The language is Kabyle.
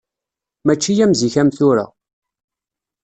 Mačči am zik am tura.